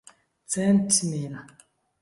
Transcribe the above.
centmil